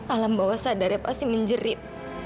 alam bawah sadar pasti menjerit